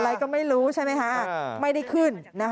อะไรก็ไม่รู้ใช่ไหมคะไม่ได้ขึ้น